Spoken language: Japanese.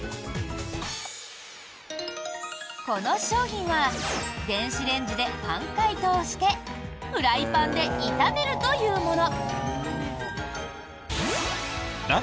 この商品は電子レンジで半解凍してフライパンで炒めるというもの。